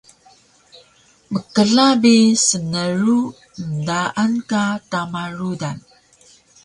Mkla bi smnru endaan ka tama rudan